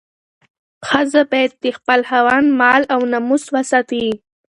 ښځه باید د خپل خاوند مال او ناموس وساتي.